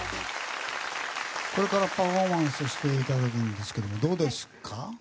これからパフォーマンスしていただくんですけどどうですか？